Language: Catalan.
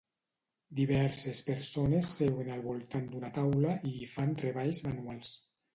Diverses persones seuen al voltant d'una taula i hi fan treballs manuals.